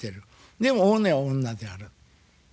でも本音は女である。